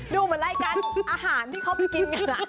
ดูเหมือนรายการอาหารที่เขาไปกินกัน